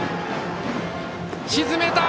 沈めた！